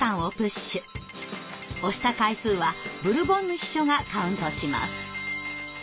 押した回数はブルボンヌ秘書がカウントします。